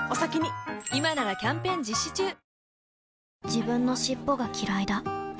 自分の尻尾がきらいだ